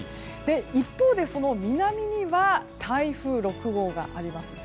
一方で、南には台風６号があります。